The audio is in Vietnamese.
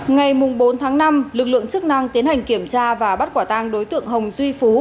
ngày bốn tháng năm lực lượng chức năng tiến hành kiểm tra và bắt quả tang đối tượng hồng duy phú